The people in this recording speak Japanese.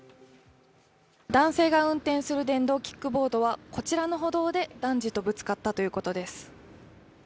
男性が運転する電動キックボードはこちらの歩道で男児とぶつかったということです。